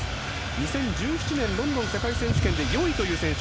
２０１７年ロンドン世界選手権で４位という選手。